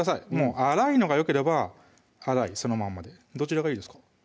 粗いのがよければ粗いそのまんまでどちらがいいですか？